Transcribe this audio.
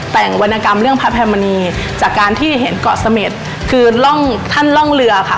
แต่งวรรณกรรมเรื่องพระแพรมณีจากการที่เห็นเกาะเสม็ดคือร่องท่านร่องเรือค่ะ